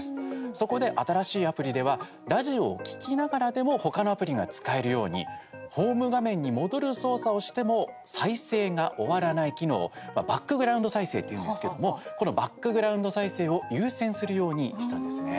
そこで新しいアプリではラジオを聞きながらでも他のアプリが使えるようにホーム画面に戻る操作をしても再生が終わらない機能をバックグラウンド再生というんですけどもこのバックグラウンド再生を優先するようにしたんですね。